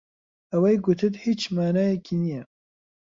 ئەوەی گوتت هیچ مانایەکی نییە.